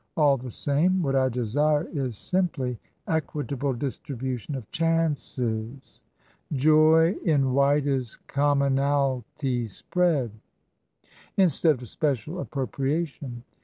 All the same, what I desire is simply equitable distribution of chances, *yoy in widest commonalty spread^ instead of special appropriation."